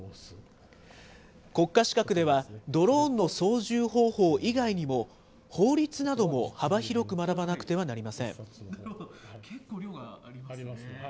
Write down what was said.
国家資格では、ドローンの操縦方法以外にも、法律なども幅広く学ばなくてはなりません。